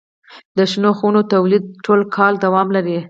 د شنو خونو تولید ټول کال دوام لري.